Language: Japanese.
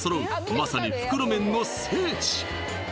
まさに袋麺の聖地